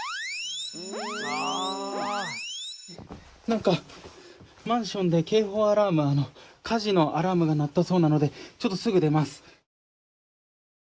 なんかマンションで警報アラーム火事のアラームが鳴ったそうなのでちょっとすぐ出ます。